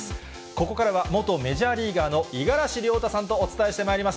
ここからは元メジャーリーガーの五十嵐亮太さんとお伝えしてまいります。